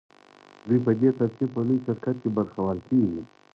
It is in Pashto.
دوی په دې ترتیب په لوی شرکت کې برخوال کېږي